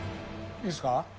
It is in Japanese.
いいですか？